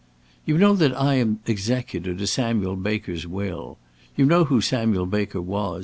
"You know that I am executor to Samuel Baker's will. You know who Samuel Baker was.